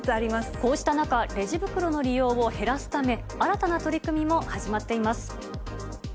こうした中、レジ袋の利用を減らすため、新たな取り組みも始まっています。